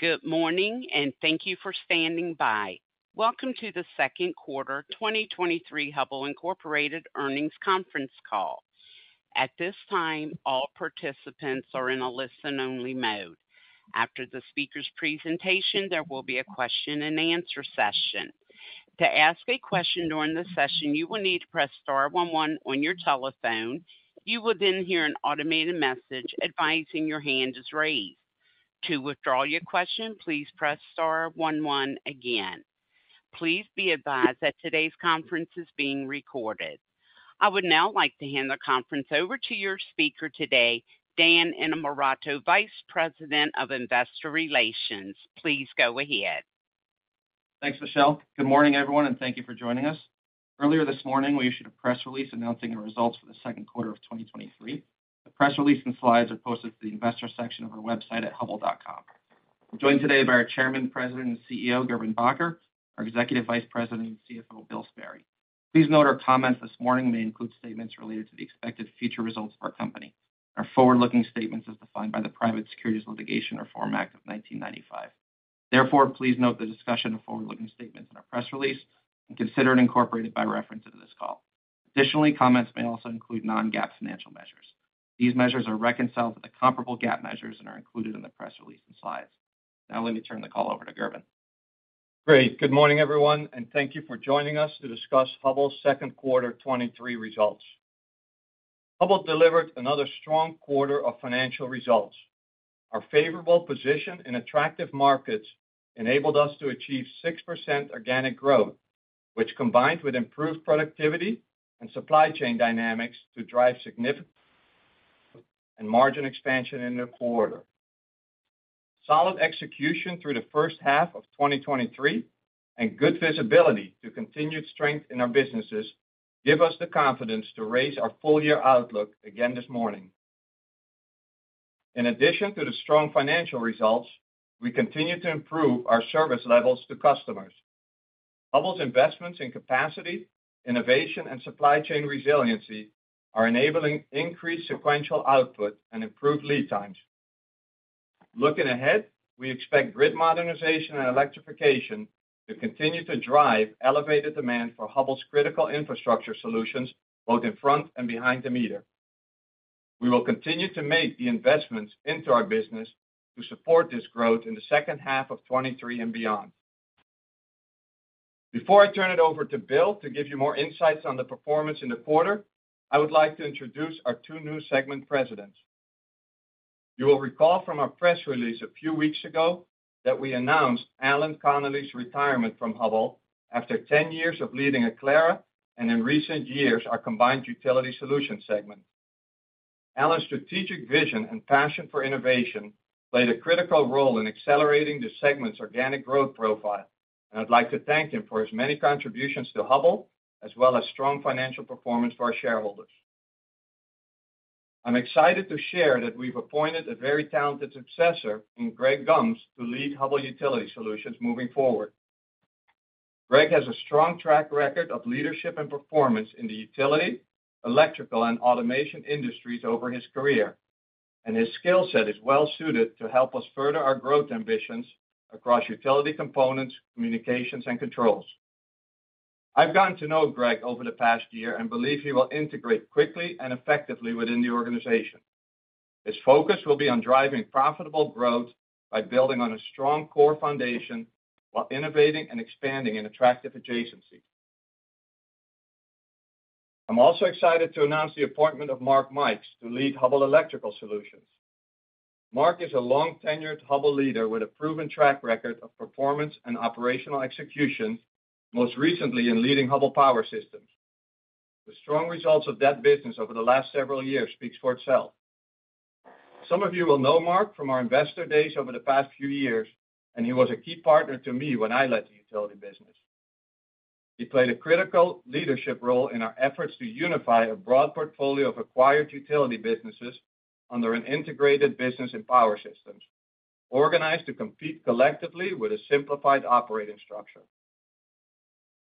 Good morning, and thank you for standing by. Welcome to the second quarter 2023 Hubbell Incorporated Earnings Conference Call. At this time, all participants are in a listen-only mode. After the speaker's presentation, there will be a question-and-answer session. To ask a question during the session, you will need to press star one one on your telephone. You will then hear an automated message advising your hand is raised. To withdraw your question, please press star one one again. Please be advised that today's conference is being recorded. I would now like to hand the conference over to your speaker today, Dan Innamorato, Vice President of Investor Relations. Please go ahead. Thanks, Michelle. Good morning, everyone, and thank you for joining us. Earlier this morning, we issued a press release announcing the results for the second quarter of 2023. The press release and slides are posted to the investor section of our website at hubbell.com. We're joined today by our Chairman, President, and CEO, Gerben Bakker, our Executive Vice President and CFO, Bill Sperry. Please note our comments this morning may include statements related to the expected future results of our company. Our forward-looking statements as defined by the Private Securities Litigation Reform Act of 1995. Please note the discussion of forward-looking statements in our press release and consider it incorporated by reference into this call. Additionally, comments may also include non-GAAP financial measures. These measures are reconciled with the comparable GAAP measures and are included in the press release and slides. Now, let me turn the call over to Gerben. Great. Good morning, everyone, thank you for joining us to discuss Hubbell's second quarter 2023 results. Hubbell delivered another strong quarter of financial results. Our favorable position in attractive markets enabled us to achieve 6% organic growth, which combined with improved productivity and supply chain dynamics, to drive significant and margin expansion in the quarter. Solid execution through the first half of 2023 and good visibility to continued strength in our businesses, give us the confidence to raise our full-year outlook again this morning. In addition to the strong financial results, we continue to improve our service levels to customers. Hubbell's investments in capacity, innovation, and supply chain resiliency are enabling increased sequential output and improved lead times. Looking ahead, we expect grid modernization and electrification to continue to drive elevated demand for Hubbell's critical infrastructure solutions, both in front and behind the meter. We will continue to make the investments into our business to support this growth in the second half of 2023 and beyond. Before I turn it over to Bill Sperry to give you more insights on the performance in the quarter, I would like to introduce our two new segment Presidents. You will recall from our press release a few weeks ago that we announced Allan Connolly's retirement from Hubbell after 10 years of leading Aclara, and in recent years, our combined Utility Solutions segment. Allan's strategic vision and passion for innovation played a critical role in accelerating the segment's organic growth profile, and I'd like to thank him for his many contributions to Hubbell, as well as strong financial performance for our shareholders. I'm excited to share that we've appointed a very talented successor in Greg Gumbs to lead Hubbell Utility Solutions moving forward. Greg has a strong track record of leadership and performance in the utility, electrical, and automation industries over his career, and his skill set is well-suited to help us further our growth ambitions across utility components, communications, and controls. I've gotten to know Greg over the past year and believe he will integrate quickly and effectively within the organization. His focus will be on driving profitable growth by building on a strong core foundation while innovating and expanding in attractive adjacencies. I'm also excited to announce the appointment of Mark Mikes to lead Hubbell Electrical Solutions. Mark is a long-tenured Hubbell leader with a proven track record of performance and operational execution, most recently in leading Hubbell Power Systems. The strong results of that business over the last several years speaks for itself. Some of you will know Mark Mikes from our investor days over the past few years, he was a key partner to me when I led the utility business. He played a critical leadership role in our efforts to unify a broad portfolio of acquired utility businesses under an integrated business and Hubbell Power Systems, organized to compete collectively with a simplified operating structure.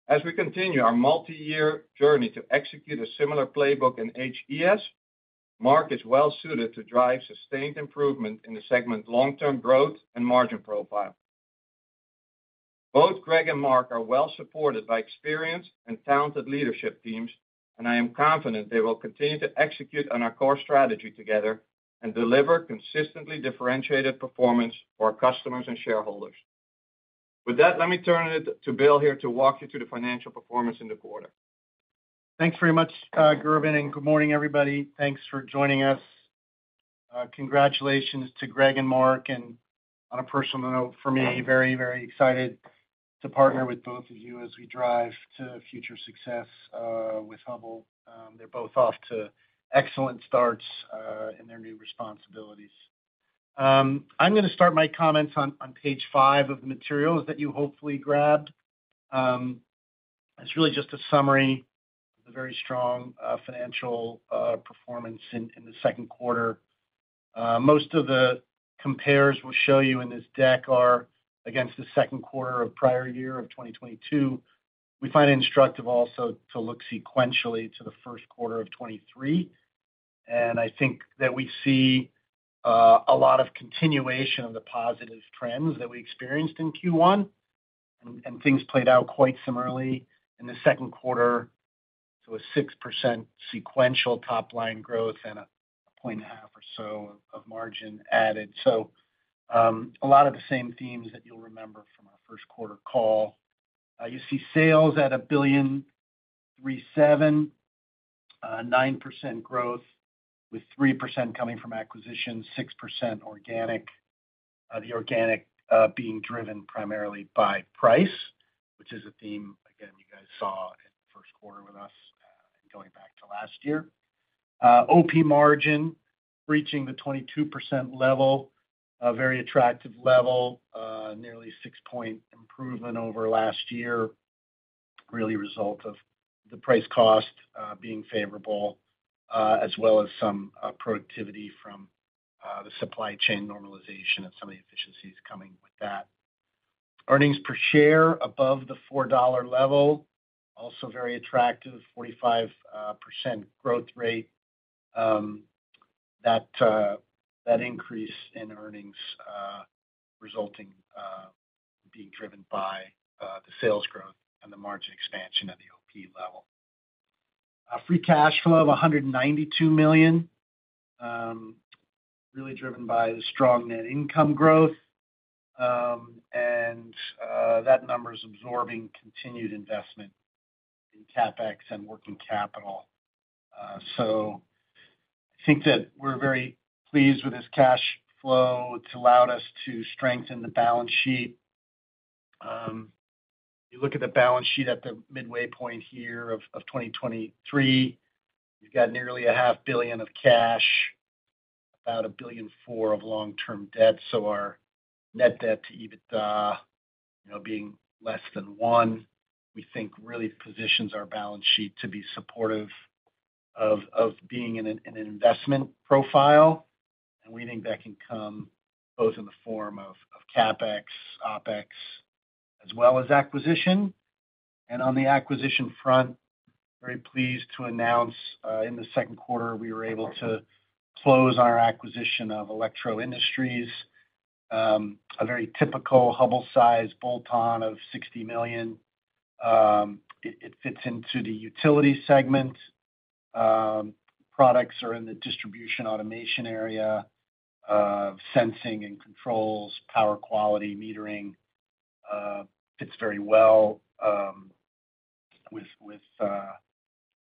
As we continue our multi-year journey to execute a similar playbook in HES, Mark Mikes is well suited to drive sustained improvement in the segment's long-term growth and margin profile. Both Greg Gumbs and Mark Mikes are well supported by experienced and talented leadership teams, I am confident they will continue to execute on our core strategy together and deliver consistently differentiated performance for our customers and shareholders. With that, let me turn it to Bill Sperry here to walk you through the financial performance in the quarter. Thanks very much, Gerben. Good morning, everybody. Thanks for joining us. Congratulations to Greg and Mark. On a personal note for me, very, very excited to partner with both of you as we drive to future success with Hubbell. They're both off to excellent starts in their new responsibilities. I'm going to start my comments on page five of the materials that you hopefully grabbed. It's really just a summary of the very strong financial performance in the second quarter. Most of the compares we'll show you in this deck are against the second quarter of prior year of 2022. We find it instructive also to look sequentially to the first quarter of 2023. I think that we see a lot of continuation of the positive trends that we experienced in Q1. Things played out quite similarly in the second quarter, to a 6% sequential top-line growth and a point half or so of margin added. A lot of the same themes that you'll remember from our first quarter call. You see sales at $1.37 billion, 9% growth, with 3% coming from acquisitions, 6% organic. The organic being driven primarily by price, which is a theme, again, you guys saw in the first quarter with us, going back to last year. OP margin reaching the 22% level, a very attractive level, nearly six-point improvement over last year, really a result of the price cost being favorable, as well as some productivity from the supply chain normalization and some of the efficiencies coming with that. Earnings per share above the $4 level, also very attractive, 45% growth rate. That increase in earnings resulting being driven by the sales growth and the margin expansion at the OP level. Free cash flow of $192 million, really driven by the strong net income growth. That number is absorbing continued investment in CapEx and working capital. I think that we're very pleased with this cash flow. It's allowed us to strengthen the balance sheet. You look at the balance sheet at the midway point here of 2023, you've got nearly a half billion of cash, about $1.4 billion of long-term debt. Our net debt to EBITDA, you know, being less than one, we think really positions our balance sheet to be supportive of being in an investment profile. We think that can come both in the form of CapEx, OpEx, as well as acquisition. On the acquisition front, very pleased to announce, in the second quarter, we were able to close our acquisition of Electro Industries. A very typical Hubbell-sized bolt-on of $60 million. It fits into the utility segment. Products are in the distribution automation area of sensing and controls, power quality, metering. Fits very well with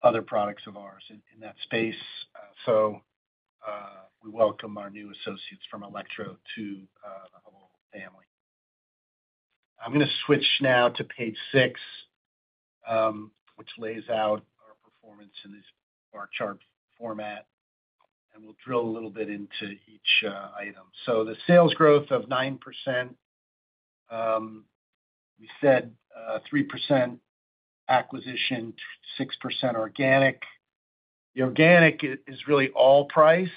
other products of ours in that space. We welcome our new associates from Electro to the Hubbell family. I'm gonna switch now to page six, which lays out our performance in this bar chart format, and we'll drill a little bit into each item. The sales growth of 9%, we said 3% acquisition, 6% organic. The organic is really all price.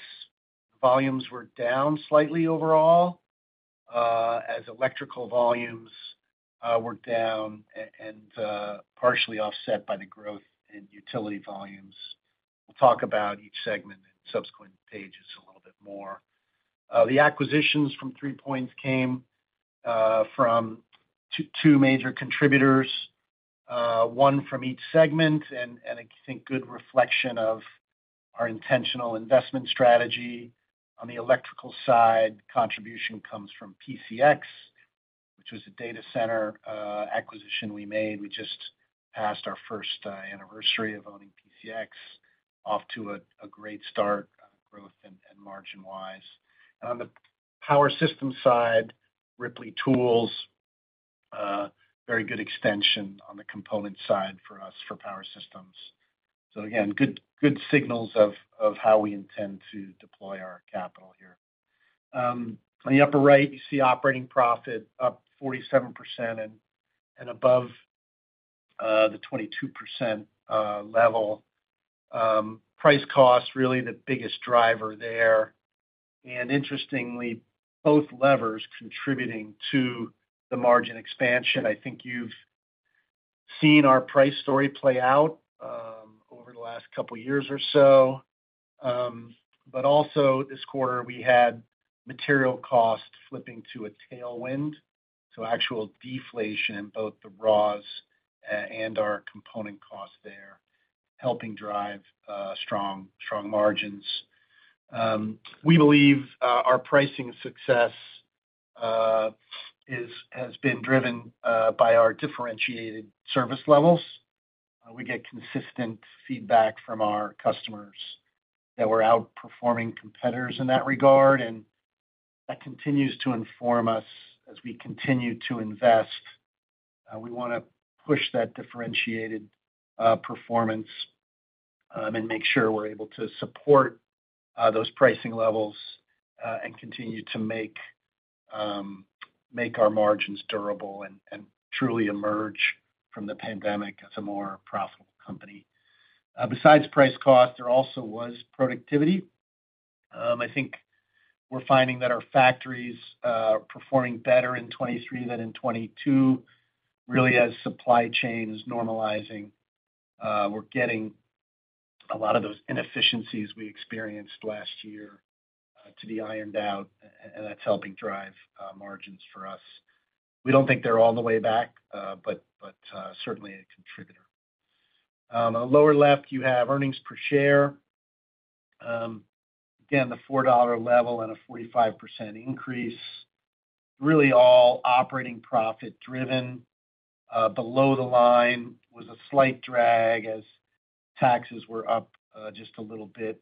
Volumes were down slightly overall as Electrical volumes were down and partially offset by the growth in Utility volumes. We'll talk about each segment in subsequent pages a little bit more. The acquisitions from three points came from two major contributors, one from each segment, and I think good reflection of our intentional investment strategy. On the electrical side, contribution comes from PCX, which was a data center, acquisition we made. We just passed our first anniversary of owning PCX, off to a great start, growth and margin-wise. On the Power Systems side, Ripley Tools, very good extension on the component side for us for Power Systems. Again, good signals of how we intend to deploy our capital here. On the upper right, you see operating profit up 47% and above the 22% level. Price cost, really the biggest driver there. Interestingly, both levers contributing to the margin expansion. I think you've seen our price story play out over the last couple of years or so. Also this quarter, we had material costs flipping to a tailwind, so actual deflation in both the raws and our component costs there, helping drive strong margins. We believe our pricing success has been driven by our differentiated service levels. We get consistent feedback from our customers that we're outperforming competitors in that regard, that continues to inform us as we continue to invest. We wanna push that differentiated performance and make sure we're able to support those pricing levels, continue to make our margins durable and truly emerge from the pandemic as a more profitable company. Besides price cost, there also was productivity. I think we're finding that our factories performing better in 2023 than in 2022. Really, as supply chain is normalizing, we're getting a lot of those inefficiencies we experienced last year to be ironed out, and that's helping drive margins for us. We don't think they're all the way back, certainly a contributor. On the lower left, you have earnings per share. Again, the $4 level and a 45% increase, really all Operating Profit driven. Below the line was a slight drag as taxes were up just a little bit,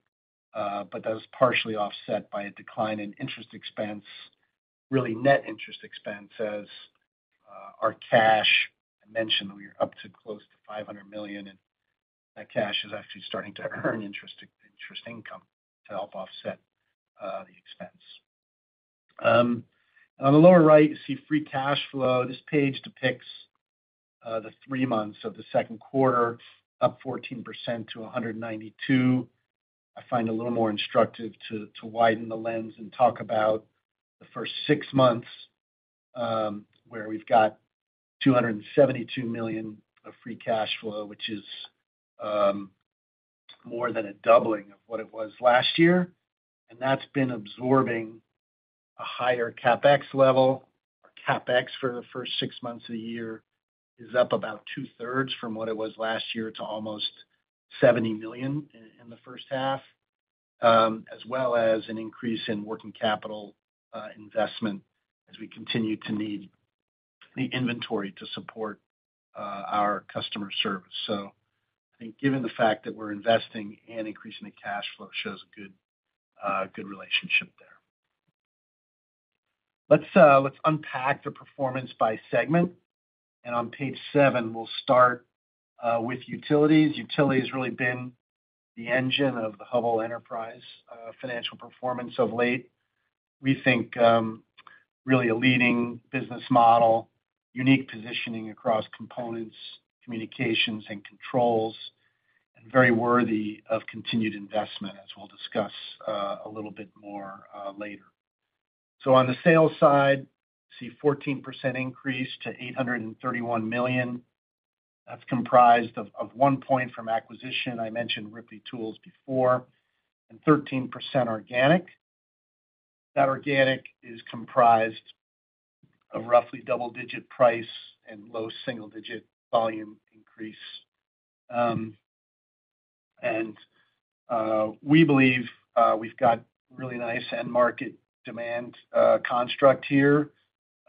but that was partially offset by a decline in interest expense, really net interest expense, as our cash, I mentioned, we are up to close to $500 million, and that cash is actually starting to earn interest income to help offset the expense. On the lower right, you see free cash flow. This page depicts the three months of the second quarter, up 14% to $192. I find a little more instructive to widen the lens and talk about the first six months, where we've got $272 million of free cash flow, which is more than a doubling of what it was last year. That's been absorbing a higher CapEx level. Our CapEx for the first six months of the year is up about 2/3 from what it was last year to almost $70 million in the first half, as well as an increase in working capital investment as we continue to need the inventory to support our customer service. I think given the fact that we're investing and increasing the cash flow, shows a good relationship there. Let's unpack the performance by segment, and on page seven, we'll start with Utilities. Utilities has really been the engine of the Hubbell enterprise financial performance of late. We think really a leading business model, unique positioning across components, communications, and controls, and very worthy of continued investment, as we'll discuss a little bit more later. On the sales side, you see 14% increase to $831 million. That's comprised of one point from acquisition, I mentioned Ripley Tools before, and 13% organic. That organic is comprised of roughly double-digit price and low single-digit volume increase. We believe we've got really nice end market demand construct here,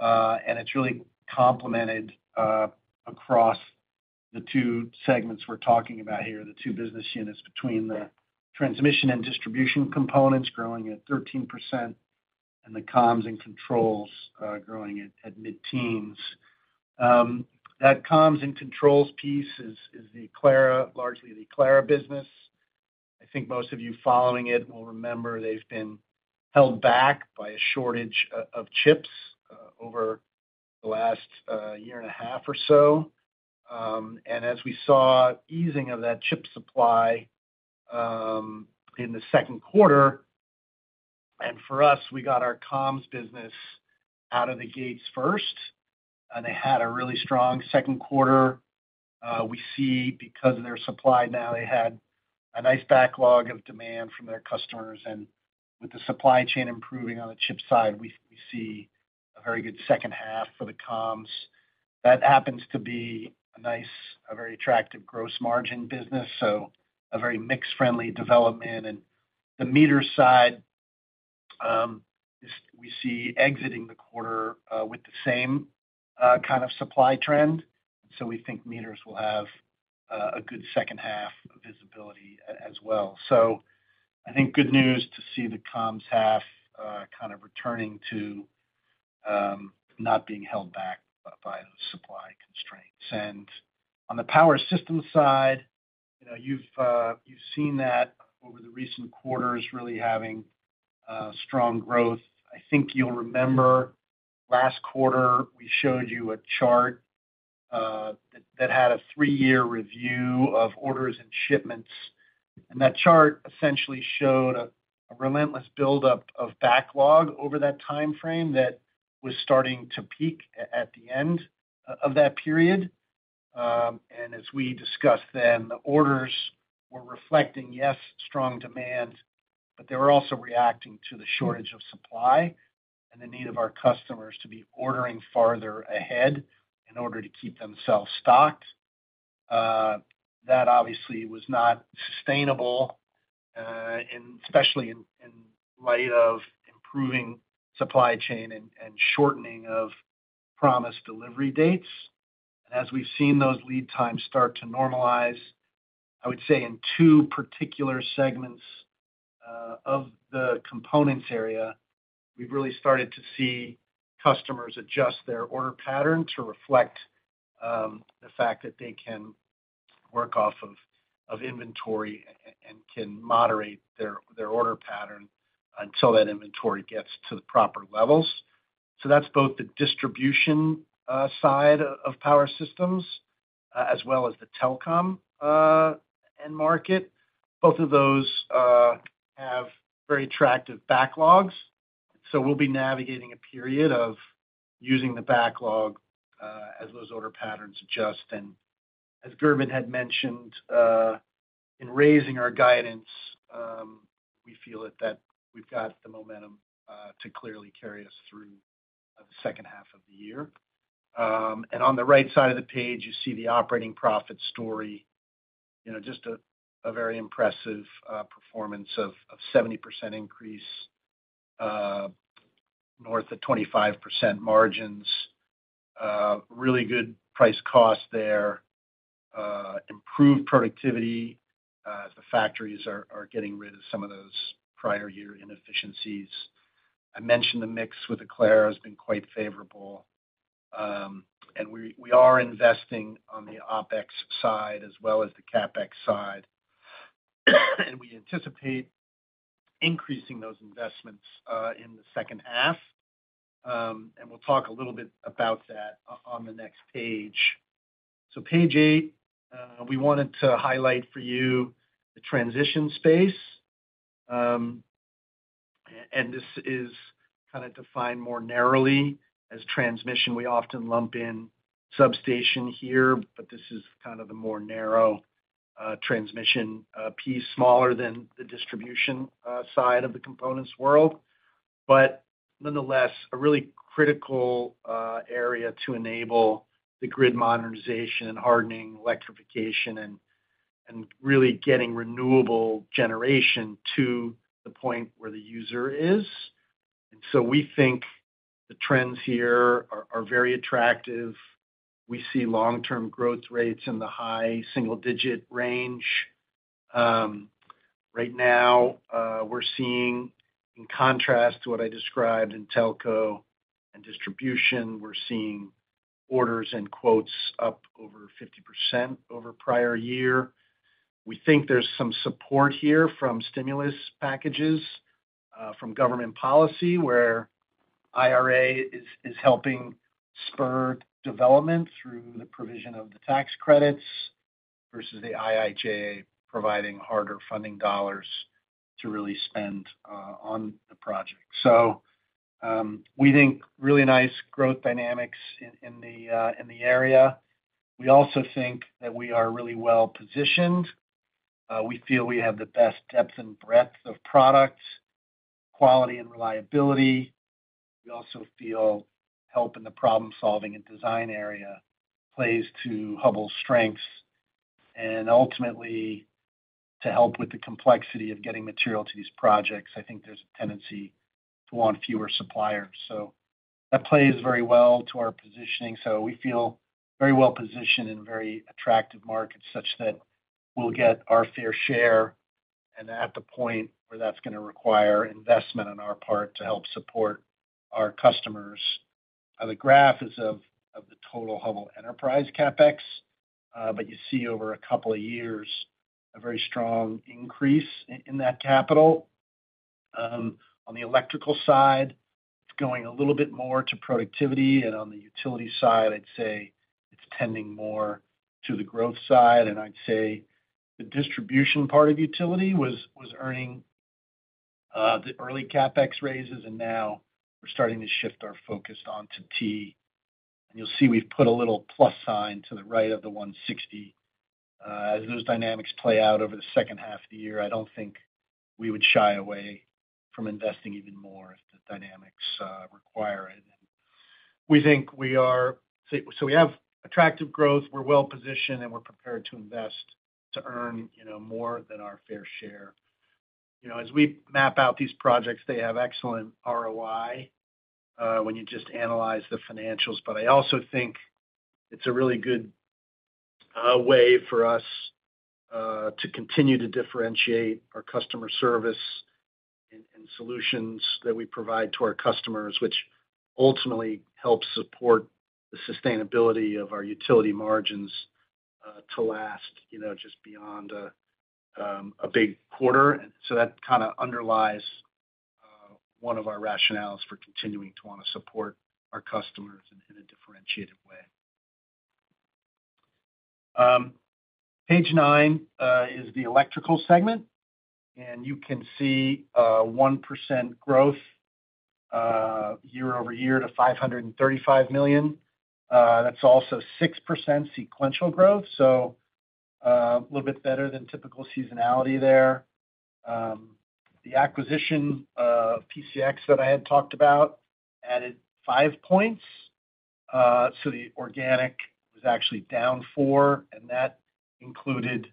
and it's really complemented across the two segments we're talking about here, the two business units between the transmission and distribution components growing at 13%, and the comms and controls growing at mid-teens. That comms and controls piece is the Aclara, largely the Aclara business. I think most of you following it will remember they've been held back by a shortage of chips over the last year and a half or so. As we saw easing of that chip supply in the second quarter, and for us, we got our comms business out of the gates first, and they had a really strong second quarter. We see because of their supply now, they had a nice backlog of demand from their customers, and with the supply chain improving on the chip side, we see a very good second half for the comms. That happens to be a nice, a very attractive gross margin business, so a very mixed friendly development. The meter side is we see exiting the quarter with the same kind of supply trend. We think meters will have a good second half of visibility as well. I think good news to see the comms half kind of returning to not being held back by the supply constraints. On the Power System side, you know, you've seen that over the recent quarters, really having strong growth. I think you'll remember last quarter, we showed you a chart that had a three-year review of orders and shipments, and that chart essentially showed a relentless buildup of backlog over that timeframe that was starting to peak at the end of that period. And as we discussed then, the orders were reflecting, yes, strong demand, but they were also reacting to the shortage of supply and the need of our customers to be ordering farther ahead in order to keep themselves stocked. That obviously was not sustainable, and especially in light of improving supply chain and shortening of promised delivery dates. As we've seen those lead times start to normalize, I would say in two particular segments of the components area, we've really started to see customers adjust their order pattern to reflect the fact that they can work off of inventory and can moderate their order pattern until that inventory gets to the proper levels. That's both the distribution side of Power Systems, as well as the telecom end market. Both of those have very attractive backlogs, so we'll be navigating a period of using the backlog as those order patterns adjust. As Gerben Bakker had mentioned, in raising our guidance, we feel it that we've got the momentum to clearly carry us through the second half of the year. On the right side of the page, you see the operating profit story. You know, just a very impressive performance of 70% increase, north of 25% margins, really good price cost there, improved productivity. The factories are getting rid of some of those prior year inefficiencies. I mentioned the mix with Aclara has been quite favorable. We are investing on the OpEx side as well as the CapEx side. We anticipate increasing those investments in the second half. We'll talk a little bit about that on the next page. Page 8, we wanted to highlight for you the transition space. This is kinda defined more narrowly as transmission. We often lump in substation here, but this is kind of the more narrow transmission piece, smaller than the distribution side of the components world, but nonetheless, a really critical area to enable the grid modernization, hardening, electrification, and really getting renewable generation to the point where the user is. We think the trends here are very attractive. We see long-term growth rates in the high single-digit range. Right now, we're seeing, in contrast to what I described in telco and distribution, we're seeing orders and quotes up over 50% over prior year. We think there's some support here from stimulus packages, from government policy, where IRA is helping spur development through the provision of the tax credits versus the IIJA providing harder funding dollars to really spend on the project. We think really nice growth dynamics in the area. We also think that we are really well positioned. We feel we have the best depth and breadth of products, quality, and reliability. We also feel help in the problem-solving and design area plays to Hubbell's strengths, and ultimately, to help with the complexity of getting material to these projects, I think there's a tendency to want fewer suppliers. That plays very well to our positioning. We feel very well positioned in very attractive markets such that we'll get our fair share, and at the point where that's gonna require investment on our part to help support our customers. The graph is of the total Hubbell enterprise CapEx, but you see over couple years, a very strong increase in that capital. On the electrical side, it's going a little bit more to productivity, and on the utility side, I'd say it's tending more to the growth side. I'd say the distribution part of utility was earning the early CapEx raises, and now we're starting to shift our focus on to T&D. You'll see we've put a little plus sign to the right of the 160. As those dynamics play out over the second half of the year, I don't think we would shy away from investing even more if the dynamics require it. So we have attractive growth, we're well-positioned, and we're prepared to invest to earn, you know, more than our fair share. You know, as we map out these projects, they have excellent ROI when you just analyze the financials. I also think it's a really good way for us to continue to differentiate our customer service and solutions that we provide to our customers, which ultimately helps support the sustainability of our utility margins to last, you know, just beyond a big quarter. That kinda underlies one of our rationales for continuing to wanna support our customers in a differentiated way. Page nine is the electrical segment, you can see 1% growth year-over-year to $535 million. That's also 6% sequential growth, a little bit better than typical seasonality there. The acquisition of PCX that I had talked about added five points. The organic was actually down four, that included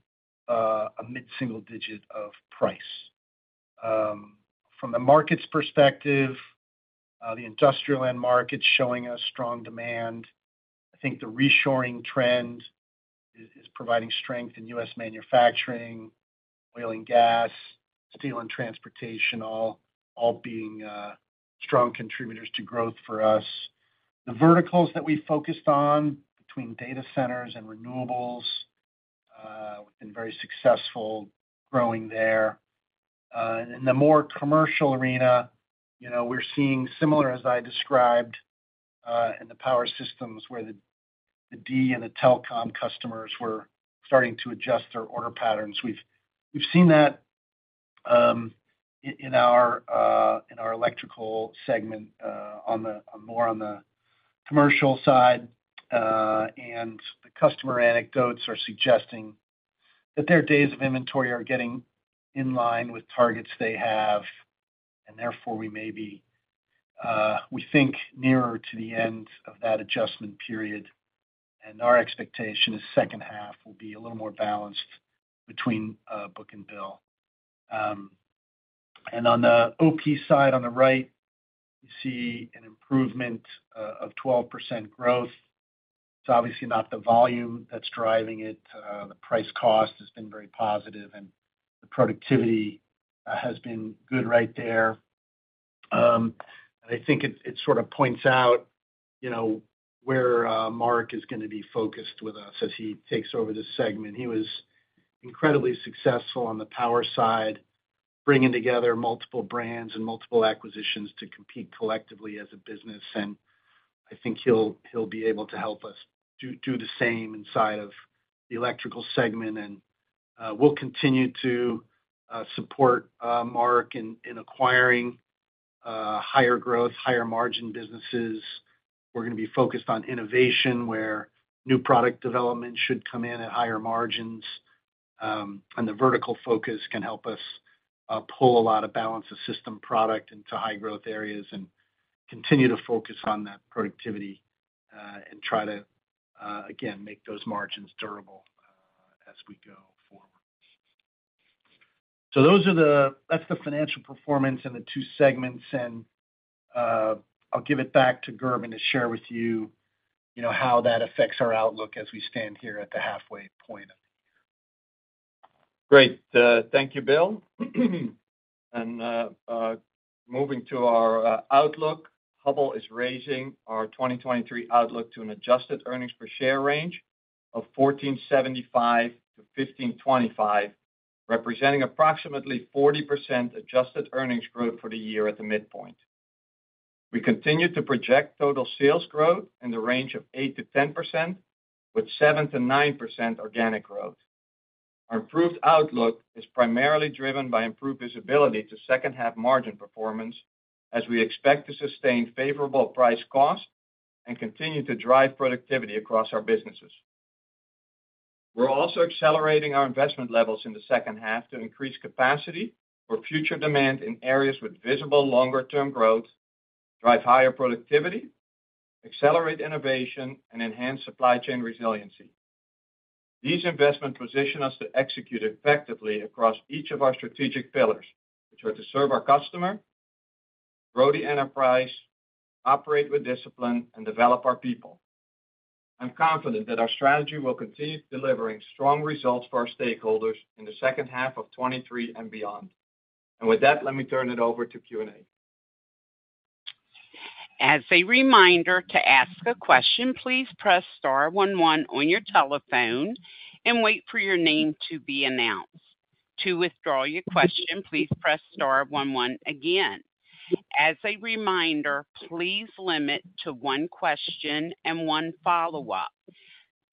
a mid-single digit of price. From the market's perspective, the industrial end market's showing a strong demand. I think the reshoring trend is providing strength in U.S. manufacturing, oil and gas, steel and transportation, all being strong contributors to growth for us. The verticals that we focused on between data centers and renewables been very successful growing there. In the more commercial arena, you know, we're seeing similar, as I described, in the Power Systems, where the T&D and the telecom customers were starting to adjust their order patterns. We've seen that, in our Electrical segment, on the more on the commercial side. The customer anecdotes are suggesting that their days of inventory are getting in line with targets they have, and therefore we may be, we think, nearer to the end of that adjustment period. Our expectation is second half will be a little more balanced between book and bill. On the OP side, on the right, you see an improvement of 12% growth. It's obviously not the volume that's driving it. The price cost has been very positive, and the productivity has been good right there. I think it sort of points out, you know, where Mark is gonna be focused with us as he takes over this segment. He was incredibly successful on the power side, bringing together multiple brands and multiple acquisitions to compete collectively as a business, and I think he'll be able to help us do the same inside of the electrical segment. We'll continue to support Mark in acquiring higher growth, higher margin businesses. We're gonna be focused on innovation, where new product development should come in at higher margins. The vertical focus can help us pull a lot of balance of system product into high-growth areas and continue to focus on that productivity, and try to again, make those margins durable as we go forward. That's the financial performance in the two segments. I'll give it back to Gerben to share with you know, how that affects our outlook as we stand here at the halfway point. Great. Thank you, Bill. Moving to our outlook, Hubbell is raising our 2023 outlook to an adjusted earnings per share range of $14.75-$15.25, representing approximately 40% adjusted earnings growth for the year at the midpoint. We continue to project total sales growth in the range of 8%-10%, with 7%-9% organic growth. Our improved outlook is primarily driven by improved visibility to second half margin performance, as we expect to sustain favorable price cost and continue to drive productivity across our businesses. We're also accelerating our investment levels in the second half to increase capacity for future demand in areas with visible longer-term growth, drive higher productivity, accelerate innovation, and enhance supply chain resiliency. These investments position us to execute effectively across each of our strategic pillars, which are to serve our customer, grow the enterprise, operate with discipline, and develop our people. I'm confident that our strategy will continue delivering strong results for our stakeholders in the second half of 2023 and beyond. With that, let me turn it over to Q&A. As a reminder, to ask a question, please press star one one on your telephone and wait for your name to be announced. To withdraw your question, please press star one one again. As a reminder, please limit to one question and one follow-up.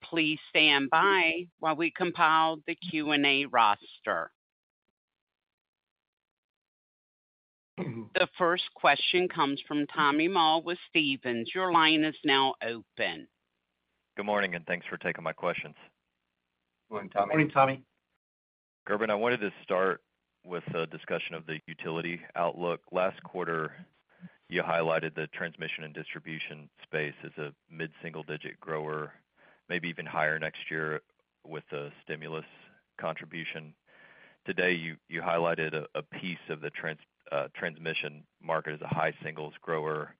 Please stand by while we compile the Q&A roster. The first question comes from Tommy Moll with Stephens. Your line is now open. Good morning. Thanks for taking my questions. Good morning, Tommy. Morning, Tommy. Gerben, I wanted to start with a discussion of the utility outlook. Last quarter, you highlighted the transmission and distribution space as a mid-single-digit grower, maybe even higher next year with the stimulus contribution. Today, you highlighted a piece of the transmission market as a high singles grower.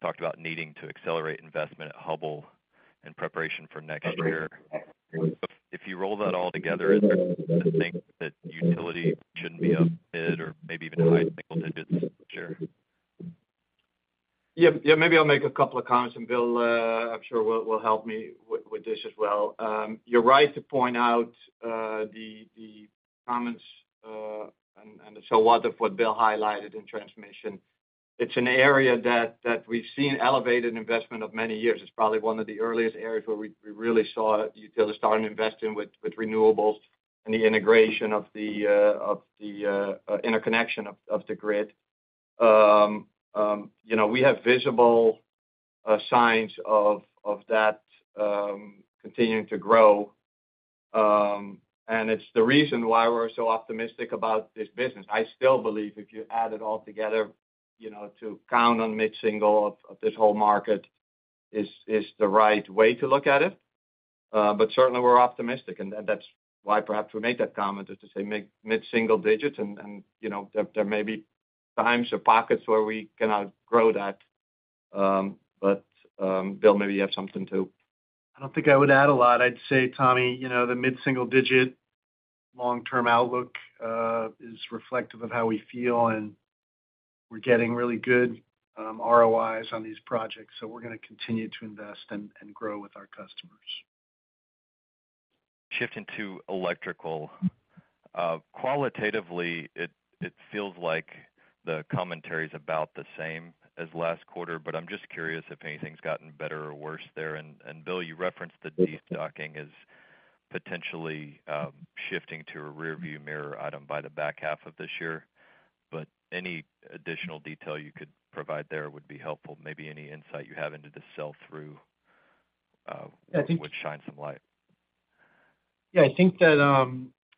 Talked about needing to accelerate investment at Hubbell in preparation for next year. If you roll that all together, is there to think that utility shouldn't be up mid or maybe even high single digits this year? Maybe I'll make a couple of comments, Bill, I'm sure will help me with this as well. You're right to point out the comments of what Bill highlighted in transmission. It's an area that we've seen elevated investment of many years. It's probably one of the earliest areas where we really saw utilities starting to invest in with renewables and the integration of the interconnection of the grid. You know, we have visible signs of that continuing to grow. It's the reason why we're so optimistic about this business. I still believe if you add it all together, you know, to count on mid-single of this whole market is the right way to look at it. Certainly, we're optimistic, and that's why perhaps we made that comment, is to say mid-single digits. You know, there may be times or pockets where we cannot grow that. Bill, maybe you have something to... I don't think I would add a lot. I'd say, Tommy, you know, the mid-single digit long-term outlook, is reflective of how we feel. We're getting really good, ROIs on these projects. We're gonna continue to invest and grow with our customers. Shifting to electrical. qualitatively, it feels like the commentary is about the same as last quarter, but I'm just curious if anything's gotten better or worse there. Bill, you referenced the destocking as potentially, shifting to a rearview mirror item by the back half of this year. Any additional detail you could provide there would be helpful. Maybe any insight you have into the sell-through? I think- would shine some light. Yeah, I think that,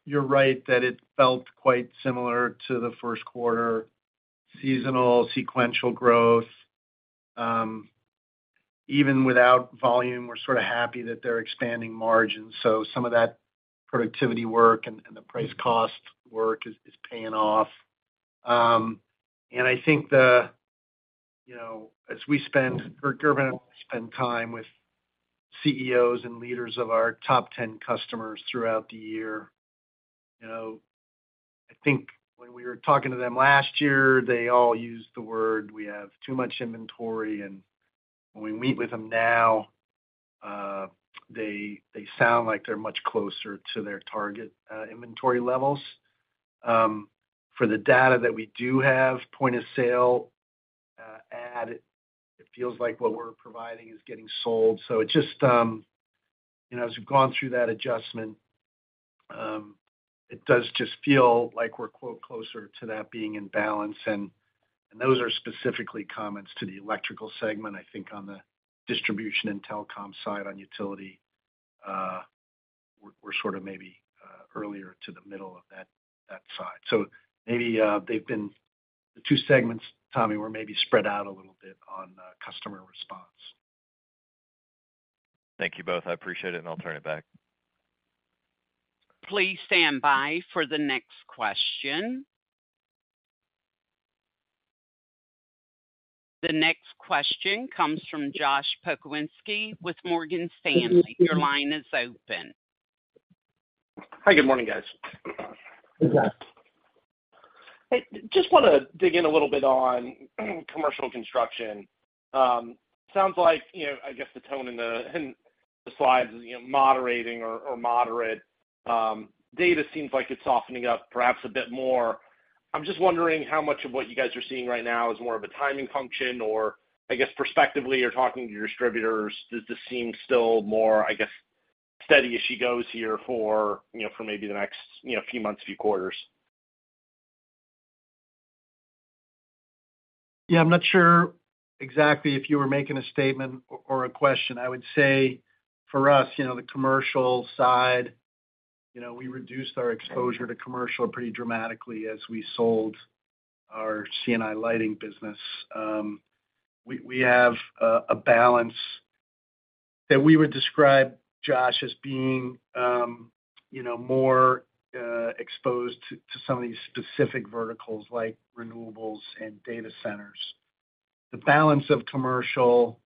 you're right, that it felt quite similar to the first quarter, seasonal sequential growth. Even without volume, we're sort of happy that they're expanding margins. Some of that productivity work and the price cost work is paying off. I think, you know, as we spend, for Gerben Bakker, we spend time with CEOs and leaders of our top 10 customers throughout the year. You know, I think when we were talking to them last year, they all used the word, "We have too much inventory," and when we meet with them now, they sound like they're much closer to their target inventory levels. For the data that we do have, point of sale, add, it feels like what we're providing is getting sold. It just... You know, as we've gone through that adjustment, it does just feel like we're, quote, closer to that being in balance. Those are specifically comments to the electrical segment. I think on the distribution and telecom side, on utility, we're sort of maybe earlier to the middle of that side. Maybe they've been the two segments, Tommy, were maybe spread out a little bit on customer response. Thank you both. I appreciate it, and I'll turn it back. Please stand by for the next question. The next question comes from Josh Pokrzywinski with Morgan Stanley. Your line is open. Hi, good morning, guys. Hey, Josh. Hey, just wanna dig in a little bit on, commercial construction. Sounds like, you know, I guess the tone in the, in the slides is, you know, moderating or moderate. Data seems like it's softening up perhaps a bit more. I'm just wondering how much of what you guys are seeing right now is more of a timing function, or I guess, prospectively, you're talking to your distributors, does this seem still more, I guess, steady as she goes here for, you know, for maybe the next, you know, few months, few quarters? Yeah, I'm not sure exactly if you were making a statement or a question. I would say for us, you know, the commercial side, you know, we reduced our exposure to commercial pretty dramatically as we sold our C&I lighting business. We have a balance that we would describe, Josh, as being, you know, more exposed to some of these specific verticals like renewables and data centers. The balance of commercial,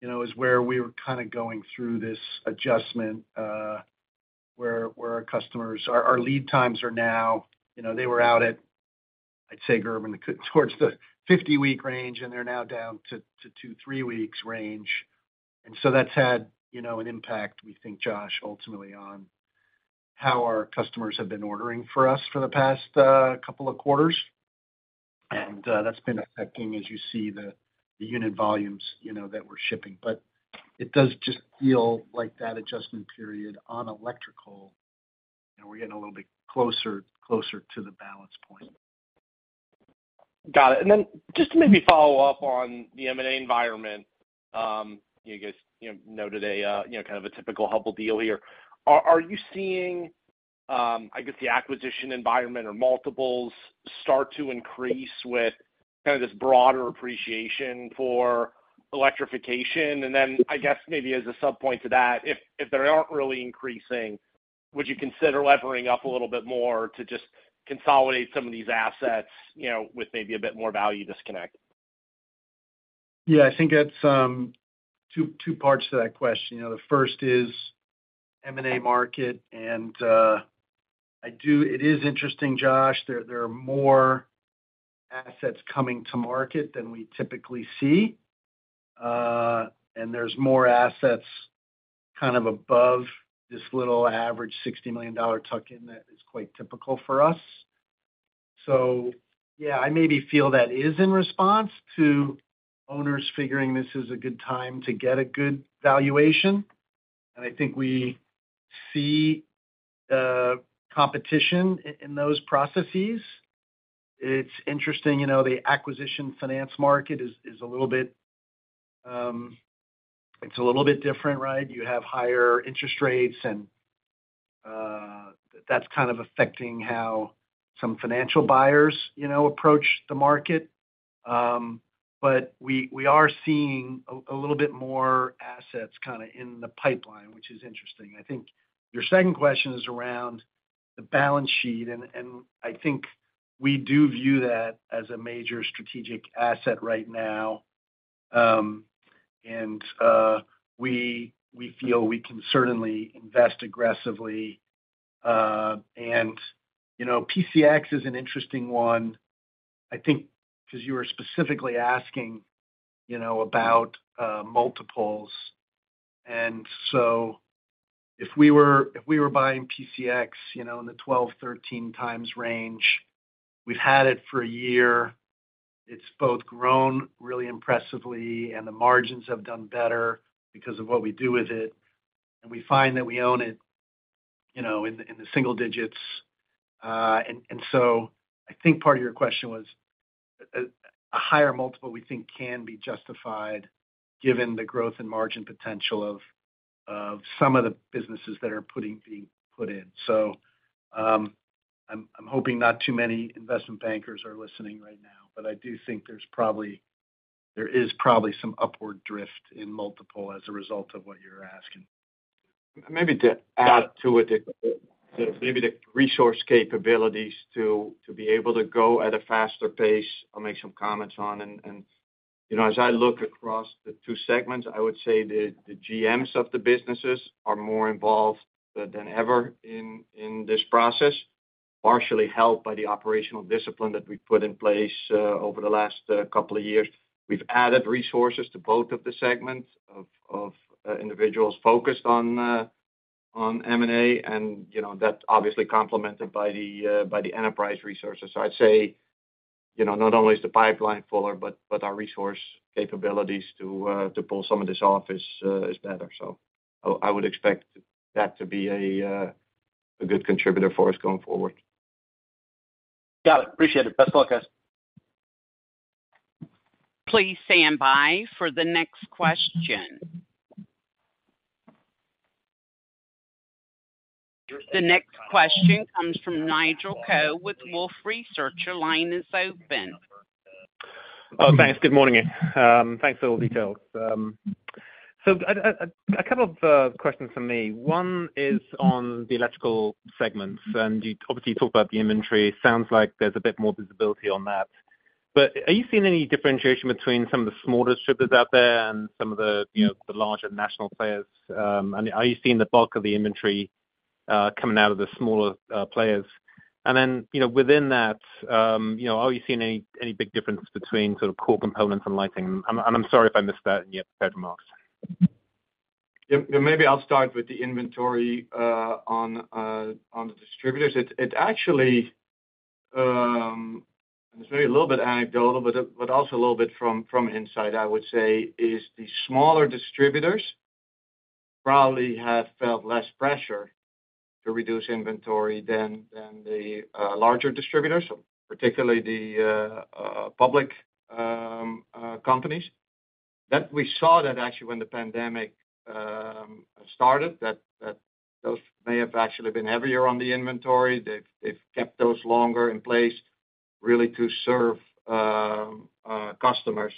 you know, is where we were kind of going through this adjustment, where Our lead times are now, you know, they were out at, I'd say, Gerben, towards the 50-week range, and they're now down to two-three weeks range. That's had, you know, an impact, we think, Josh, ultimately on how our customers have been ordering for us for the past couple of quarters. That's been affecting, as you see, the unit volumes, you know, that we're shipping. It does just feel like that adjustment period on Electrical, and we're getting a little bit closer to the balance point. Got it. Just to maybe follow up on the M&A environment, you guys, you know, noted a, you know, kind of a typical Hubbell deal here. Are you seeing, I guess, the acquisition environment or multiples start to increase with kind of this broader appreciation for electrification? I guess, maybe as a subpoint to that, if they aren't really increasing, would you consider levering up a little bit more to just consolidate some of these assets, you know, with maybe a bit more value disconnect? I think it's two parts to that question. You know, the first is M&A market. It is interesting, Josh. There are more assets coming to market than we typically see, and there's more assets kind of above this little average $60 million tuck-in that is quite typical for us. I maybe feel that is in response to owners figuring this is a good time to get a good valuation, and I think we see competition in those processes. It's interesting, you know, the acquisition finance market is a little bit different, right? You have higher interest rates, and that's kind of affecting how some financial buyers, you know, approach the market. We are seeing a little bit more assets kind of in the pipeline, which is interesting. I think your second question is around the balance sheet, and I think we do view that as a major strategic asset right now. We feel we can certainly invest aggressively. You know, PCX is an interesting one, I think, because you were specifically asking, you know, about multiples. If we were buying PCX, you know, in the 12x, 13x range, we've had it for a year. It's both grown really impressively, and the margins have done better because of what we do with it, and we find that we own it, you know, in the single digits. I think part of your question was, a higher multiple, we think can be justified, given the growth and margin potential of some of the businesses that are being put in. I'm hoping not too many investment bankers are listening right now, but I do think there is probably some upward drift in multiple as a result of what you're asking. Maybe to add to it, maybe the resource capabilities to be able to go at a faster pace. I'll make some comments on and, you know, as I look across the two segments, I would say the GMs of the businesses are more involved than ever in this process, partially helped by the operational discipline that we put in place over the last couple of years. We've added resources to both of the segments of individuals focused on M&A, and, you know, that's obviously complemented by the enterprise resources. I'd say, you know, not only is the pipeline fuller, but our resource capabilities to pull some of this off is better. I would expect that to be a good contributor for us going forward. Got it. Appreciate it. Best of luck, guys. Please stand by for the next question. The next question comes from Nigel Coe with Wolfe Research. Your line is open. Oh, thanks. Good morning, thanks for all the details. A couple of questions from me. One is on the electrical segments, and you obviously talked about the inventory. Sounds like there's a bit more visibility on that. Are you seeing any differentiation between some of the smaller distributors out there and some of the, you know, the larger national players? Are you seeing the bulk of the inventory coming out of the smaller players? Then, you know, within that, you know, are you seeing any big difference between sort of core components and lighting? I'm sorry if I missed that in your prepared remarks. Yep. Maybe I'll start with the inventory on the distributors. It actually, it's maybe a little bit anecdotal, but also a little bit from inside, I would say, is the smaller distributors probably have felt less pressure to reduce inventory than the larger distributors, particularly the public companies. We saw that actually when the pandemic started, that those may have actually been heavier on the inventory. They've kept those longer in place, really, to serve customers.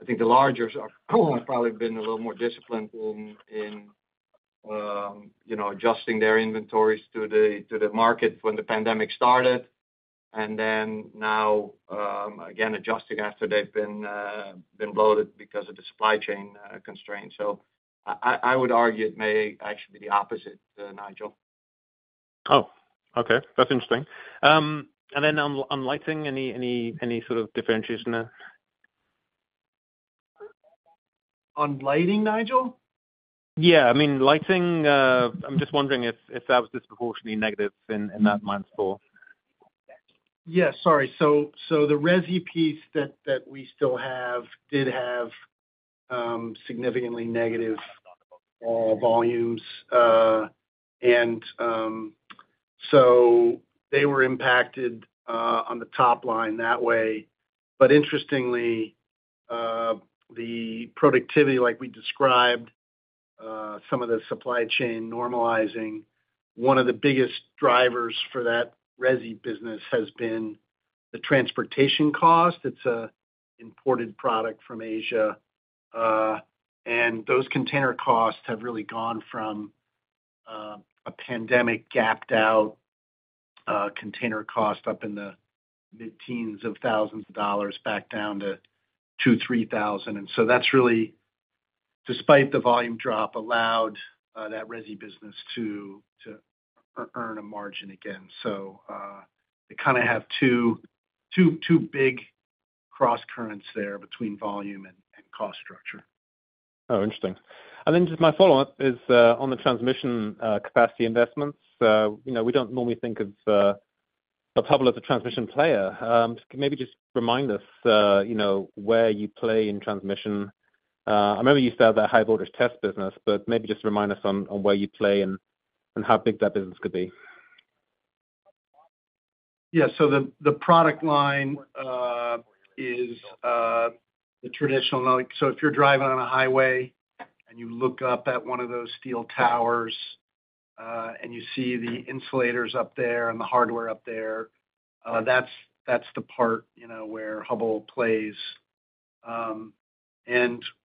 I think the largers are probably been a little more disciplined in, you know, adjusting their inventories to the market when the pandemic started. Now, again, adjusting after they've been bloated because of the supply chain constraints. I would argue it may actually be the opposite, Nigel. Oh, okay. That's interesting. Then on lighting, any sort of differentiation there? On lighting, Nigel? Yeah. I mean, lighting, I'm just wondering if that was disproportionately negative in that month for? Yes, sorry. The resi piece that we still have did have significantly negative volumes. They were impacted on the top line that way. Interestingly, the productivity, like we described, some of the supply chain normalizing, one of the biggest drivers for that resi business has been the transportation cost. It's an imported product from Asia, and those container costs have really gone from a pandemic gapped out container cost up in the mid-teens of thousands of dollars back down to $2,000-$3,000. That's really, despite the volume drop, allowed that resi business to earn a margin again. They kinda have two big crosscurrents there between volume and cost structure. Oh, interesting. Just my follow-up is on the transmission capacity investments. You know, we don't normally think of Hubbell as a transmission player. Maybe just remind us, you know, where you play in transmission. I remember you used to have that high voltage test business, but maybe just remind us on where you play and how big that business could be? The product line, is, the traditional like... if you're driving on a highway and you look up at one of those steel towers, and you see the insulators up there and the hardware up there, that's the part, you know, where Hubbell plays.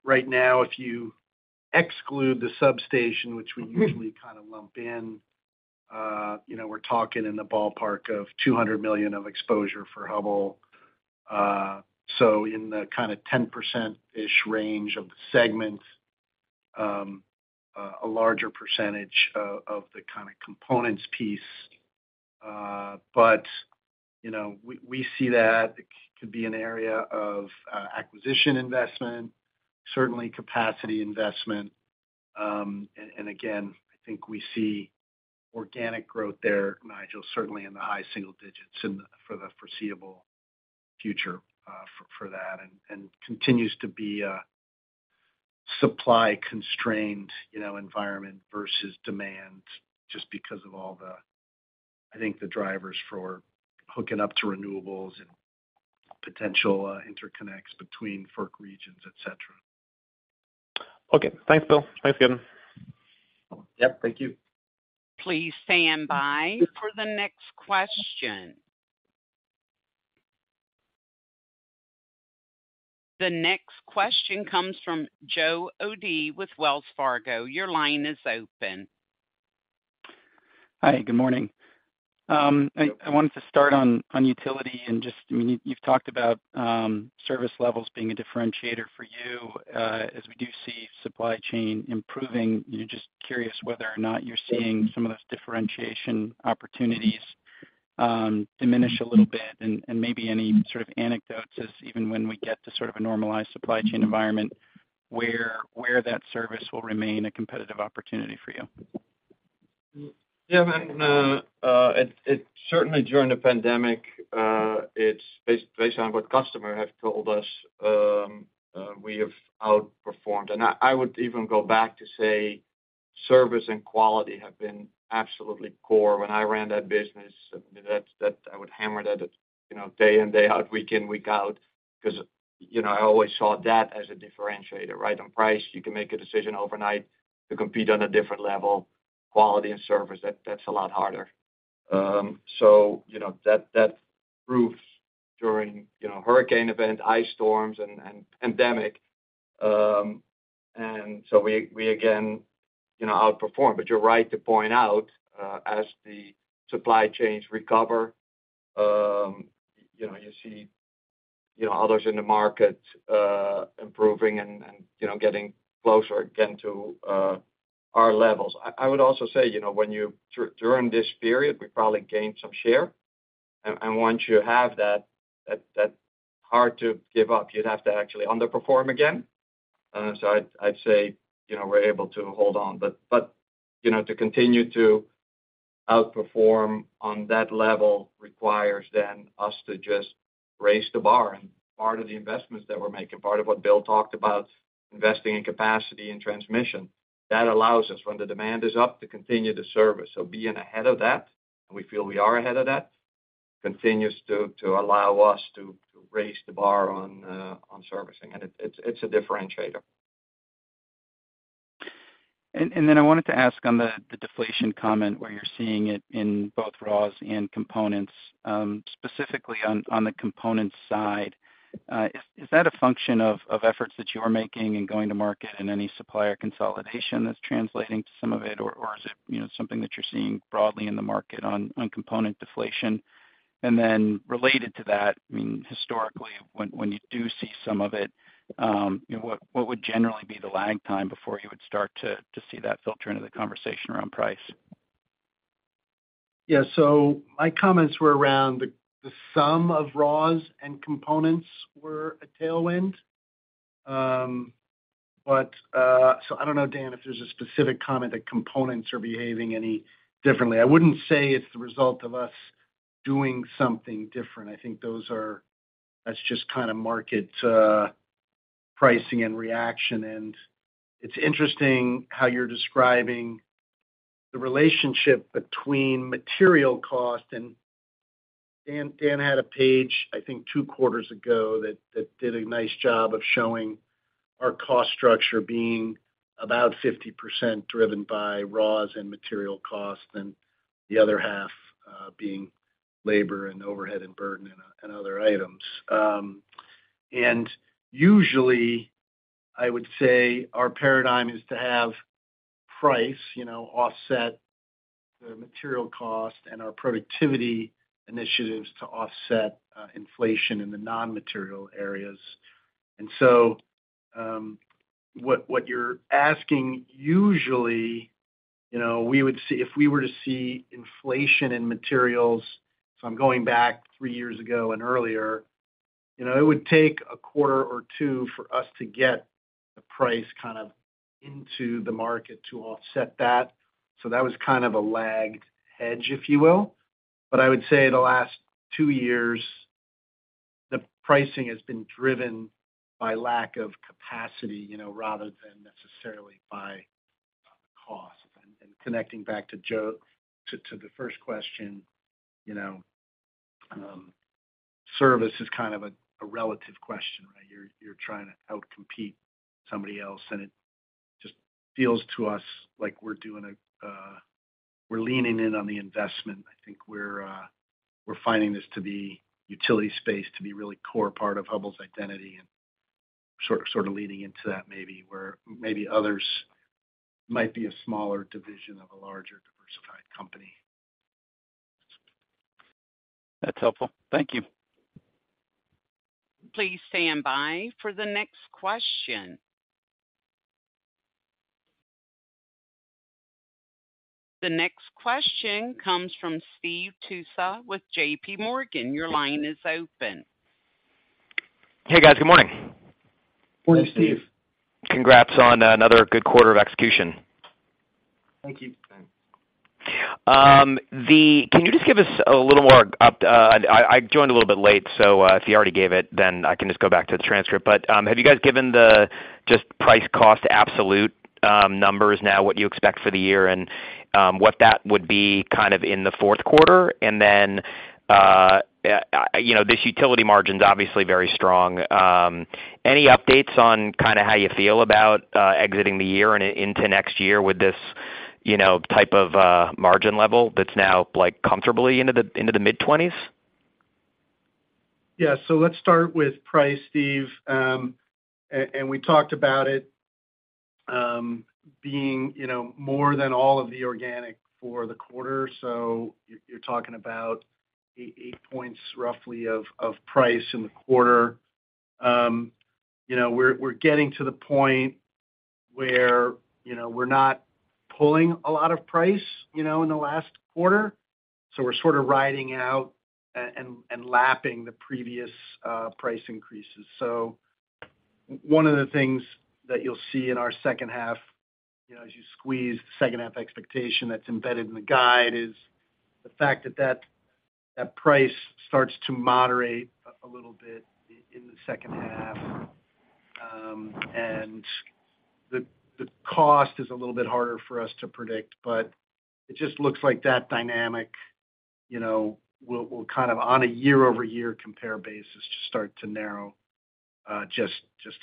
Right now, if you exclude the substation, which we usually kind of lump in, you know, we're talking in the ballpark of $200 million of exposure for Hubbell. In the kind of 10%-ish range of the segment, a larger percentage of the kind of components piece. You know, we see that it could be an area of, acquisition investment, certainly capacity investment. Again, I think we see organic growth there, Nigel, certainly in the high single digits for the foreseeable future, for that, and continues to be a supply-constrained, you know, environment versus demand, just because of all the, I think, the drivers for hooking up to renewables and potential, interconnects between FERC regions, et cetera. Okay. Thanks, Bill. Thanks again. Yep, thank you. Please stand by for the next question. The next question comes from Joe O'Dea with Wells Fargo. Your line is open. Hi, good morning. I wanted to start on utility and just, I mean, you've talked about service levels being a differentiator for you. As we do see supply chain improving, you're just curious whether or not you're seeing some of those differentiation opportunities diminish a little bit, and maybe any sort of anecdotes as even when we get to sort of a normalized supply chain environment, where that service will remain a competitive opportunity for you? Yeah, I mean, it certainly during the pandemic, it's based on what customer have told us, we have outperformed. I would even go back to say service and quality have been absolutely core. When I ran that business, I mean, that I would hammer that, you know, day in, day out, week in, week out, 'cause, you know, I always saw that as a differentiator, right? On price, you can make a decision overnight to compete on a different level. Quality and service, that's a lot harder. You know, that proves during, you know, hurricane event, ice storms and pandemic. We again, you know, outperform. You're right to point out, as the supply chains recover, you know, you see, you know, others in the market, improving and, you know, getting closer again to, our levels. I would also say, you know, During this period, we probably gained some share. Once you have that hard to give up, you'd have to actually underperform again. I'd say, you know, we're able to hold on. You know, to continue to outperform on that level requires then us to just raise the bar. Part of the investments that we're making, part of what Bill talked about, investing in capacity and transmission, that allows us, when the demand is up, to continue the service. Being ahead of that, and we feel we are ahead of that, continues to allow us to raise the bar on servicing, and it's a differentiator. Then I wanted to ask on the deflation comment, where you're seeing it in both raws and components? Specifically on the components side, is that a function of efforts that you are making and going to market and any supplier consolidation that's translating to some of it? Or is it, you know, something that you're seeing broadly in the market on component deflation? Then related to that, I mean, historically, when you do see some of it, you know, what would generally be the lag time before you would start to see that filter into the conversation around price? My comments were around the sum of raws and components were a tailwind. I don't know, Dan, if there's a specific comment that components are behaving any differently. I wouldn't say it's the result of us doing something different. I think that's just kind of market pricing and reaction. It's interesting how you're describing the relationship between material cost, and Dan had a page, I think two quarters ago, that did a nice job of showing our cost structure being about 50% driven by raws and material costs, and the other half being labor and overhead and burden and other items. Usually, I would say our paradigm is to have price, you know, offset the material cost and our productivity initiatives to offset inflation in the non-material areas. What you're asking, usually, you know, if we were to see inflation in materials, so I'm going back three years ago and earlier, you know, it would take a quarter or 2 for us to get the price kind of into the market to offset that. That was kind of a lagged hedge, if you will. I would say the last two years, the pricing has been driven by lack of capacity, you know, rather than necessarily by cost. Connecting back to Joe, to the first question, you know, service is kind of a relative question, right? You're trying to outcompete somebody else, and it just feels to us like we're leaning in on the investment. I think we're finding this to be... Utility space, to be really core part of Hubbell's identity sort of leading into that maybe where maybe others might be a smaller division of a larger diversified company. That's helpful. Thank you. Please stand by for the next question. The next question comes from Steve Tusa with JPMorgan. Your line is open. Hey, guys. Good morning. Morning, Steve. Morning. Congrats on another good quarter of execution. Thank you. Thanks. Can you just give us a little more up, I joined a little bit late, so, if you already gave it, then I can just go back to the transcript. Have you guys given the just price cost absolute numbers now, what you expect for the year and what that would be kind of in the fourth quarter? You know, this utility margin is obviously very strong. Any updates on kind of how you feel about exiting the year and into next year with this, you know, type of margin level that's now, like, comfortably into the, into the mid-20s? Yeah. Let's start with price, Steve. We talked about it, being, you know, more than all of the organic for the quarter. You're talking about eight points, roughly, of price in the quarter. You know, we're getting to the point where, you know, we're not pulling a lot of price, you know, in the last quarter, so we're sort of riding out and lapping the previous price increases. One of the things that you'll see in our second half, you know, as you squeeze the second half expectation that's embedded in the guide, is the fact that price starts to moderate a little bit in the second half. The, the cost is a little bit harder for us to predict, but it just looks like that dynamic, you know, will kind of on a year-over-year compare basis, just start to narrow, just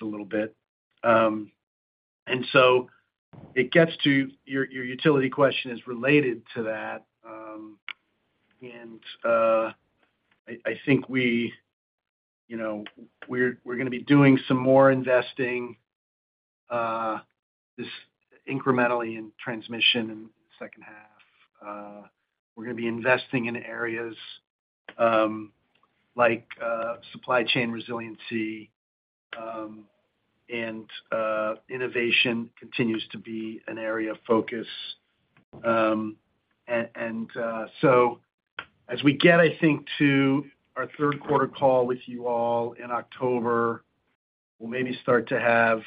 a little bit. It gets to your utility question is related to that. I think we, you know, we're going to be doing some more investing, just incrementally in transmission in the second half. We're going to be investing in areas, like, supply chain resiliency, and, innovation continues to be an area of focus. As we get, I think, to our third quarter call with you all in October, we'll maybe start to have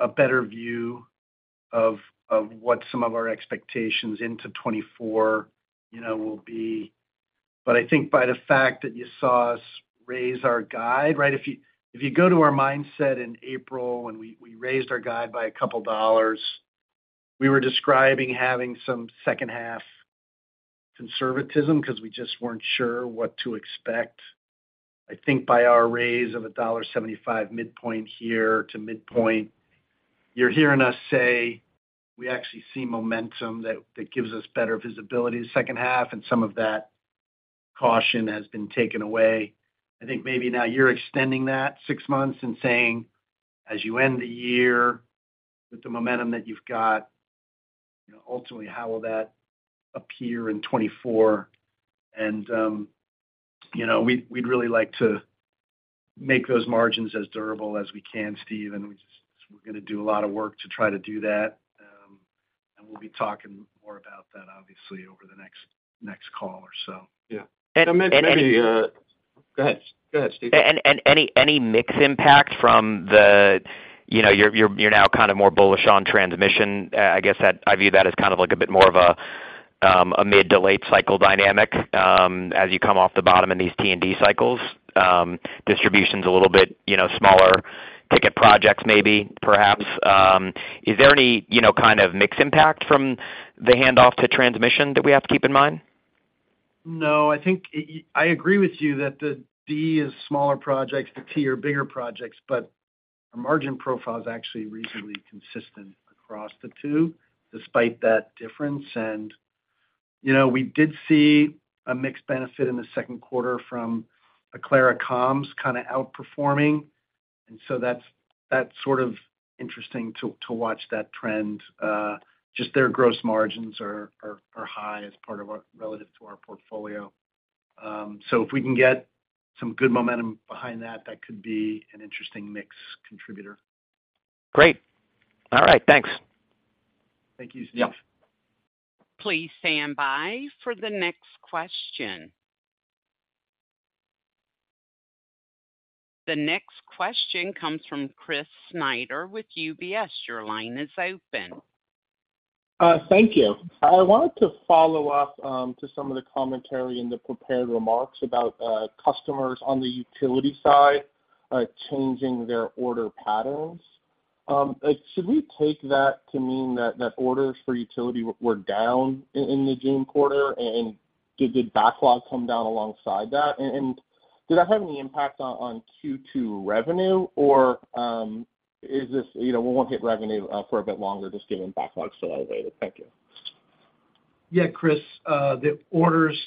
a better view of what some of our expectations into 2024, you know, will be. I think by the fact that you saw us raise our guide, right? If you go to our mindset in April when we raised our guide by $2, we were describing having some second half conservatism because we just weren't sure what to expect. I think by our raise of $1.75 midpoint here to midpoint, you're hearing us say we actually see momentum that gives us better visibility in the second half, and some of that caution has been taken away. I think maybe now you're extending that six months and saying, as you end the year with the momentum that you've got, you know, ultimately, how will that appear in 2024? You know, we'd really like to make those margins as durable as we can, Steve, and we're going to do a lot of work to try to do that. We'll be talking more about that, obviously, over the next call or so. Yeah. any. Go ahead. Go ahead, Steve. Any mix impact from the, you know, you're now kind of more bullish on transmission. I guess that I view that as kind of like a bit more of a mid-to-late cycle dynamic, as you come off the bottom in these T&D cycles. Distribution's a little bit, you know, smaller ticket projects, maybe, perhaps. Is there any, you know, kind of mix impact from the handoff to transmission that we have to keep in mind? No, I think I agree with you that the D is smaller projects, the T are bigger projects, but our margin profile is actually reasonably consistent across the two, despite that difference. You know, we did see a mixed benefit in the second quarter from Aclara comms kind of outperforming, and so that's sort of interesting to watch that trend. Just their gross margins are high as part of relative to our portfolio. If we can get some good momentum behind that could be an interesting mix contributor. Great. All right, thanks. Thank you, Steve. Yep. Please stand by for the next question. The next question comes from Chris Snyder with UBS. Your line is open. Thank you. I wanted to follow up to some of the commentary in the prepared remarks about customers on the utility side changing their order patterns. Should we take that to mean that orders for utility were down in the June quarter, and did the backlog come down alongside that? Did that have any impact on Q2 revenue, or is this, you know, won't hit revenue for a bit longer just given backlog still elevated? Thank you. Yeah, Chris, the orders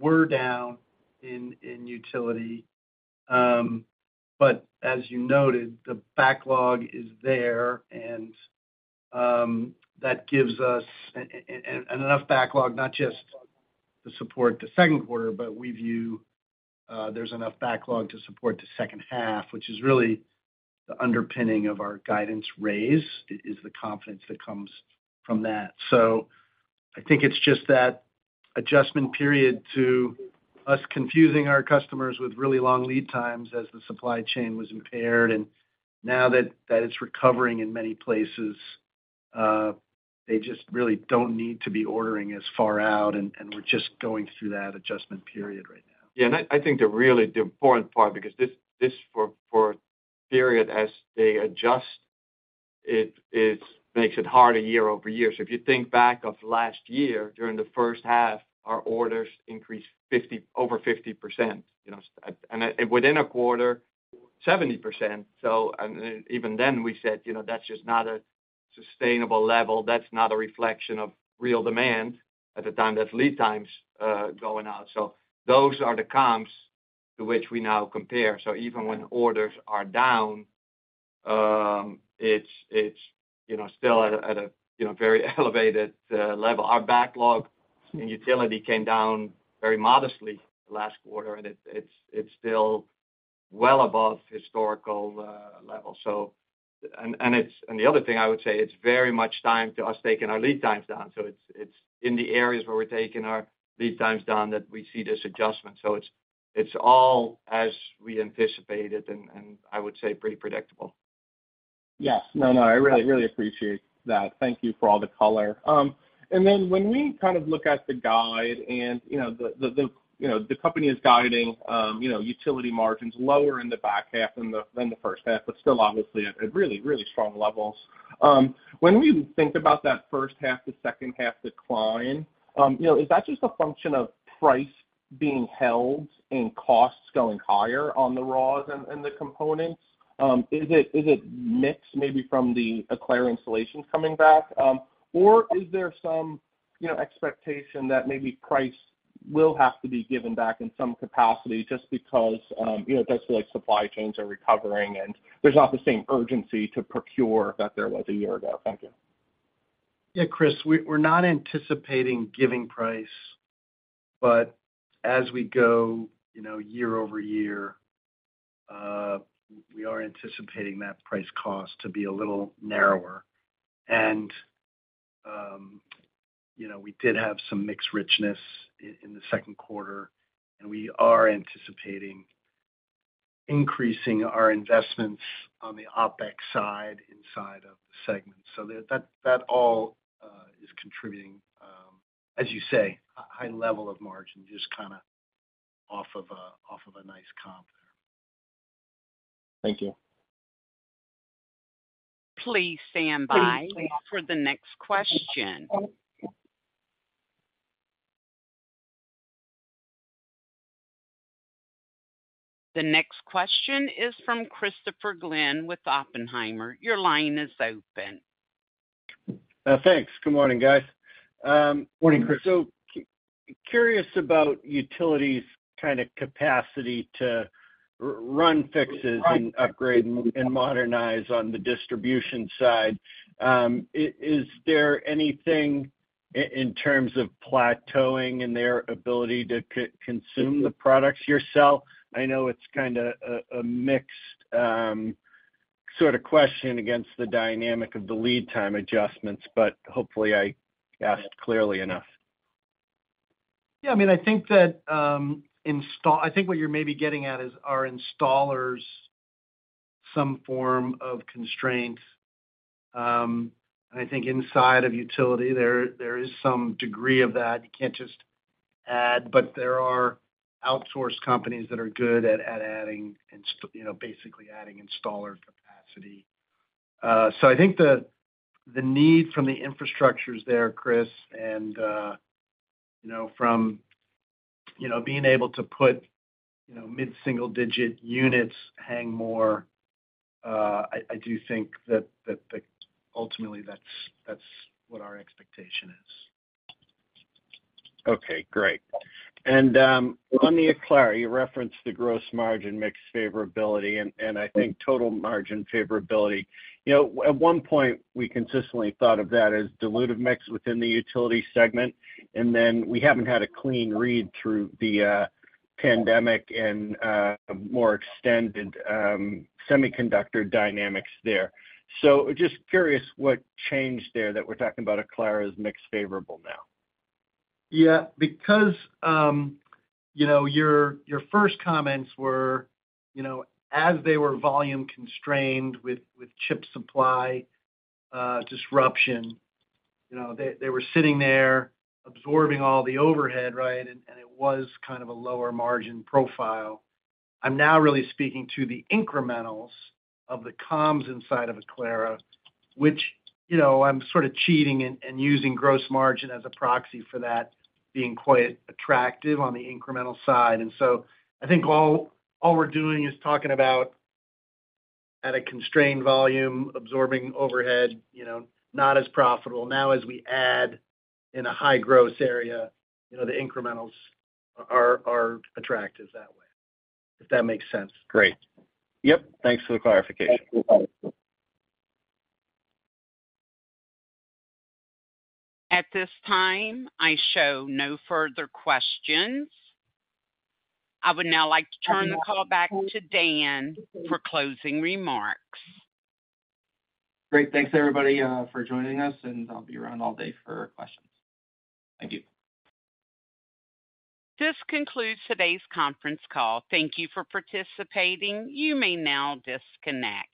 were down in utility. As you noted, the backlog is there, and that gives us enough backlog, not just to support the second quarter, but we view there's enough backlog to support the second half, which is really the underpinning of our guidance raise, is the confidence that comes from that. I think it's just that adjustment period to us confusing our customers with really long lead times as the supply chain was impaired. Now that it's recovering in many places, they just really don't need to be ordering as far out, and we're just going through that adjustment period right now. I think the really, the important part, because this for a period, as they adjust it makes it hard a year-over-year. If you think back of last year, during the first half, our orders increased over 50%, you know, and within a quarter, 70%. Even then we said, "You know, that's just not a sustainable level. That's not a reflection of real demand at the time, that's lead times, going out." Those are the comps to which we now compare. Even when orders are down, it's, you know, still at a, you know, very elevated level. Our backlog in utility came down very modestly last quarter, and it's still well above historical levels. The other thing I would say, it's very much time to us taking our lead times down. It's in the areas where we're taking our lead times down that we see this adjustment. It's all as we anticipated, and I would say pretty predictable. Yes. No, no, I really, really appreciate that. Thank you for all the color. When we kind of look at the guide and, you know, the company is guiding, you know, utility margins lower in the back half than the first half, but still obviously at really, really strong levels. When we think about that first half to second half decline, you know, is that just a function of price being held and costs going higher on the raws and the components? Is it mixed maybe from the Aclara installations coming back? Is there some, you know, expectation that maybe price will have to be given back in some capacity just because, you know, that's like supply chains are recovering, and there's not the same urgency to procure that there was a year ago? Thank you. Yeah, Chris, we're not anticipating giving price, as we go, you know, year-over-year, we are anticipating that price cost to be a little narrower. You know, we did have some mixed richness in the second quarter, and we are anticipating increasing our investments on the OpEx side inside of the segment. That all is contributing, as you say, a high level of margin, just kind of off of a nice comp there. Thank you. Please stand by for the next question. The next question is from Christopher Glynn with Oppenheimer. Your line is open. Thanks. Good morning, guys. Morning, Chris. Curious about utility's kind of capacity to run fixes and upgrade and modernize on the distribution side. Is there anything in terms of plateauing in their ability to consume the products you sell? I know it's kind of a mixed sort of question against the dynamic of the lead time adjustments, but hopefully I asked clearly enough. I mean, I think that, I think what you're maybe getting at is, are installers some form of constraint? I think inside of utility, there is some degree of that. You can't just add, but there are outsourced companies that are good at adding, you know, basically adding installer capacity. I think the need from the infrastructure is there, Chris, and, you know, from, you know, being able to put, you know, mid-single-digit units hang more, I do think that ultimately, that's what our expectation is. Okay, great. On the Aclara, you referenced the gross margin mix favorability, and I think total margin favorability. You know, at one point, we consistently thought of that as dilutive mix within the utility segment, and then we haven't had a clean read through the pandemic and more extended semiconductor dynamics there. Just curious what changed there, that we're talking about Aclara as mix favorable now? Yeah, because, you know, your first comments were, you know, as they were volume-constrained with chip supply disruption, you know, they were sitting there absorbing all the overhead, right? It was kind of a lower margin profile. I'm now really speaking to the incrementals of the comms inside of Aclara, which, you know, I'm sort of cheating and using gross margin as a proxy for that being quite attractive on the incremental side. I think all we're doing is talking about at a constrained volume, absorbing overhead, you know, not as profitable. Now, as we add in a high-gross area, you know, the incrementals are attractive that way, if that makes sense. Great. Yep, thanks for the clarification. At this time, I show no further questions. I would now like to turn the call back to Dan for closing remarks. Great. Thanks, everybody, for joining us. I'll be around all day for questions. Thank you. This concludes today's conference call. Thank you for participating. You may now disconnect.